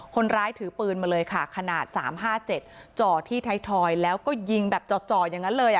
คนร้ายถือปืนมาเลยค่ะขนาด๓๕๗จ่อที่ไทยทอยแล้วก็ยิงแบบจ่ออย่างนั้นเลย